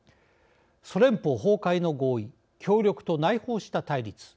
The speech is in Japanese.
ソ連邦崩壊の合意・協力と内包した対立。